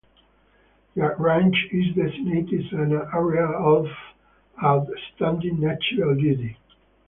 The range is designated as an Area of Outstanding Natural Beauty.